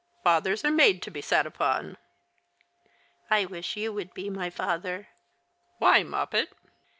Fathers are made to be sat upon !" I wish you would be my father." " Why, Moppet